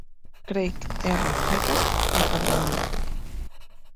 Craig R. Heckett al capdavant.